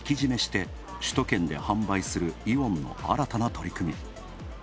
めして首都圏で販売するイオンの新たな取り組み。